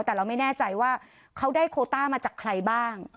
แต่เราไม่แน่ใจว่าเขาได้โคต้ามาจากใครบ้าง